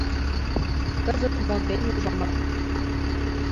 Кызыт монден, ужамат.